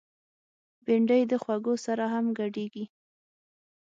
بېنډۍ د خوږو سره هم ګډیږي